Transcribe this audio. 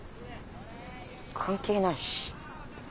関係ないし。